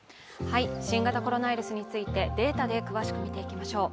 新型コロナウイルスについてデータで詳しく見ていきましょう。